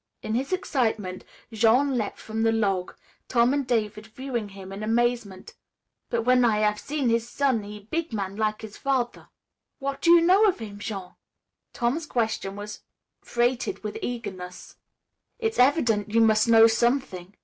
In his excitement Jean leaped from the log, Tom and David viewing him in amazement. "But w'en I hav' see his son, he big man lak' his father." "What do you know of him, Jean!" Tom's question was freighted with eagerness. "It's evident you must know something."